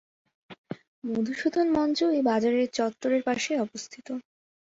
মধুসূদন মঞ্চ এই বাজার চত্বরের পাশেই অবস্থিত।